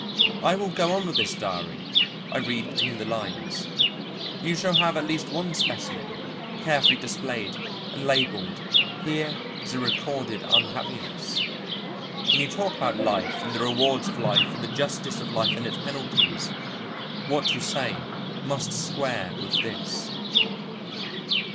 "I will go on with this diary," I read between the lines. "You shall have at least one specimen, carefully displayed and labelled. Here is a recorded unhappiness. When you talk about life and the rewards of life and the justice of life and its penalties, what you say must square with this."